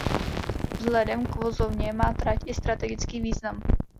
Vzhledem k vozovně má trať i strategický význam.